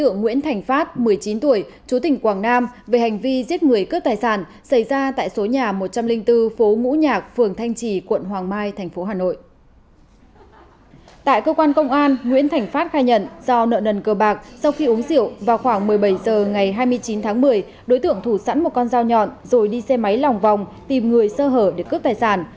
nguyễn thành phát khai nhận do nợ nần cơ bạc sau khi uống rượu vào khoảng một mươi bảy h ngày hai mươi chín tháng một mươi đối tượng thủ sẵn một con dao nhọn rồi đi xe máy lòng vòng tìm người sơ hở để cướp tài sản